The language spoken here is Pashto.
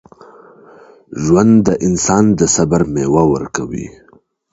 ژوند د انسان د صبر میوه ورکوي.